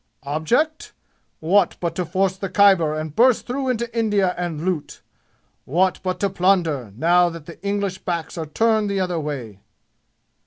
"Object? What but to force the Khyber and burst through into India and loot? What but to plunder, now that English backs are turned the other way?"